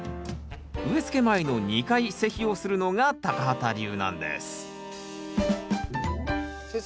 植えつけ前の２回施肥をするのが畑流なんです先生